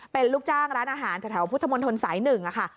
เป็นลูกจ้างร้านอาหารแถวพุทธมนตรสาย๑ค่ะ